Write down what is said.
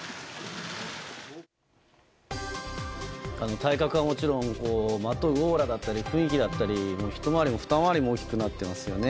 体格はもちろんまとうオーラだったり雰囲気だったり一回りも二回りも大きくなっていますよね。